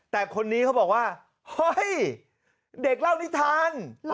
แต่คนนี้เขาบอกว่าเฮ้ยเด็กเล่านิทาน